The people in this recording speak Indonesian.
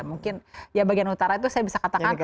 mungkin ya bagian utara itu saya bisa katakan